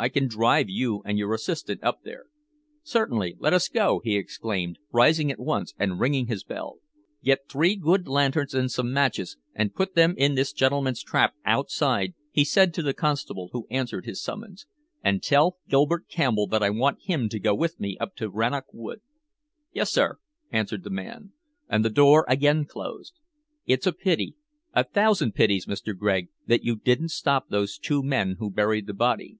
I can drive you and your assistant up there." "Certainly. Let us go," he exclaimed, rising at once and ringing his bell. "Get three good lanterns and some matches, and put them in this gentleman's trap outside," he said to the constable who answered his summons. "And tell Gilbert Campbell that I want him to go with me up to Rannoch Wood." "Yes, sir," answered the man; and the door again closed. "It's a pity a thousand pities, Mr. Gregg, that you didn't stop those two men who buried the body."